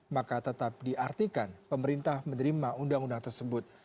maka tetap diartikan pemerintah menerima undang undang tersebut